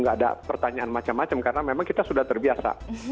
nggak ada pertanyaan macam macam karena memang kita sudah terbiasa